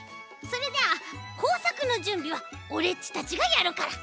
それじゃあこうさくのじゅんびはおれっちたちがやるから。